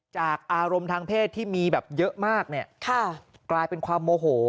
จากอารมณ์ทางเพศที่มีแบบเยอะมากเนี่ยกลายเป็นความโมโห